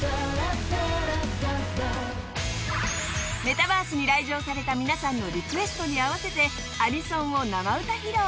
メタバースに来場された皆さんのリクエストに合わせてアニソンを生歌披露！